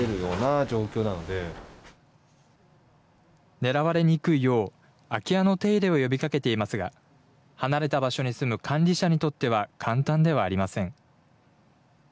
狙われにくいよう、空き家の手入れを呼びかけていますが、離れた場所に住む管理者にとっては簡単ではありません。